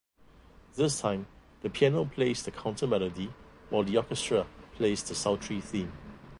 This time the piano plays the counter-melody while the orchestra plays the sultry theme.